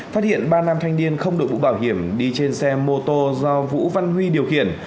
phát hiện ba nam thanh niên không đội mũ bảo hiểm đi trên xe mô tô do vũ văn huy điều khiển